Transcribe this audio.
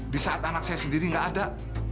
di saat anak saya sendiri nggak ada